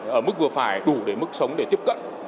ở mức vừa phải đủ để mức sống để tiếp cận